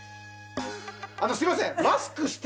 あのすいません